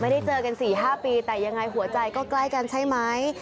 ได้เจอกัน๔๕ปีแต่ยังไงหัวใจก็ใกล้กันใช่ไหม